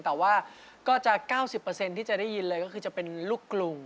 แต่ว่าก็จะ๙๐ที่จะได้ยินเลยก็คือจะเป็นลูกกรุง